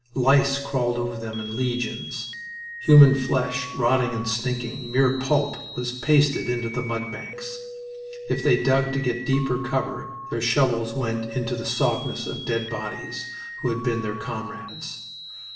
Lice crawled over them in legions. Human flesh, rotting and stinking, mere pulp, was pasted into the mud banks. If they dug to get deeper cover their shovels went into the softness of dead bodies who had been their comrades.